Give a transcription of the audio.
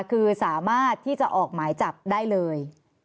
คือสามารถที่จะออกหมายจับได้เลย